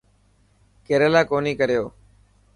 ڪيريلا ڪوني ڪريو.